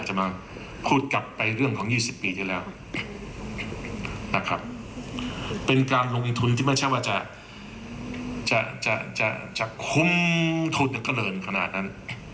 จะคุ้มทุนกระเนินขนาดนั้น